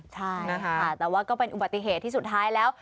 ใช่ค่ะแต่ว่าก็เป็นอุบัติเหตุที่สุดท้ายแล้ว